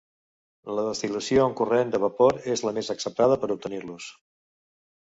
La destil·lació en corrent de vapor és la més acceptada per obtenir-los.